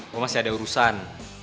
gue masih ada urusan